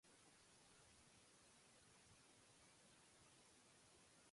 پاکستان کی تاریخ میں ساٹھ کی دہائی کے بعد، وہی تھے۔